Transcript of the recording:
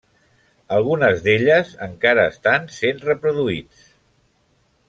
Algunes d'elles encara estan sent reproduïts.